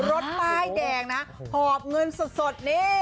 รถป้ายแดงหอบเงินสด